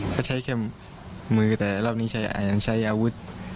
ก็ใช้แค่มือแต่รอบนี้ยังใช้อาวุธ